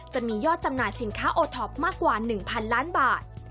จะมียอดจำหน่ายสินค้าโอท็อปมากกว่า๑๐๐๐ล้านบาท